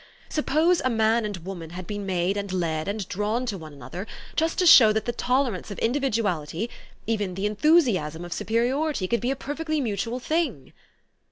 Suppose a man and woman had been made and led and drawn to one another, just to show that the tolerance of individuality, even the enthusiasm of superiority, could be a perfectly mutual thing."